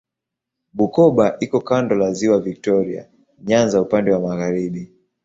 Bukoba iko kando la Ziwa Viktoria Nyanza upande wa magharibi.